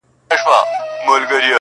تر باغ ئې مورۍ لو ده.